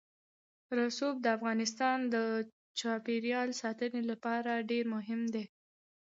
رسوب د افغانستان د چاپیریال ساتنې لپاره ډېر مهم دي.